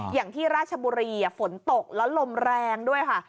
อย่างที่ราชบุรีฝนตกแล้วลมแรงด้วยค่ะ